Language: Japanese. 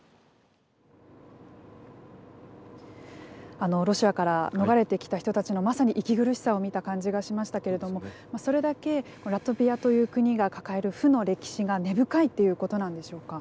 あのロシアから逃れてきた人たちのまさに息苦しさを見た感じがしましたけれどもそれだけラトビアという国が抱える負の歴史が根深いっていうことなんでしょうか。